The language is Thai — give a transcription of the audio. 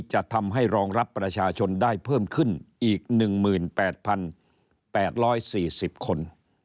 จะทำให้รองรับประชาชนได้เพิ่มขึ้นอีก๑๘๘๔๐คน